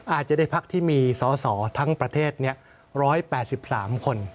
อาจจะได้พักที่มีสอสอทั้งประเทศ๑๘๓คน